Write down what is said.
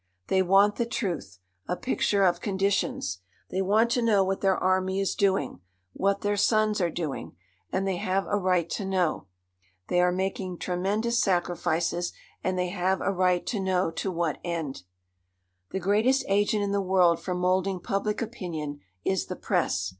They want the truth, a picture of conditions. They want to know what their army is doing; what their sons are doing. And they have a right to know. They are making tremendous sacrifices, and they have a right to know to what end. The greatest agent in the world for moulding public opinion is the press.